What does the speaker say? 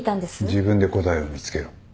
自分で答えを見つけろ。